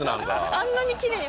あんなにきれいに。